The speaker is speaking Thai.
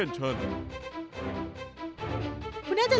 ด้อดีนี้ได้รับค่ะ